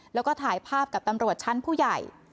แล้วก็ถ่ายภาพกับตำรวจชั้นผู้ใหญ่